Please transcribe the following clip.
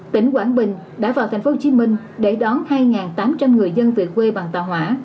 tỉnh quảng bình đã vào tp hcm để đón hai tám trăm linh người dân về quê bằng tàu hỏa